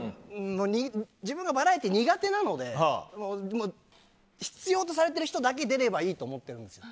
自分がバラエティー苦手なので必要とされている人だけ出ればいいと思っているんです。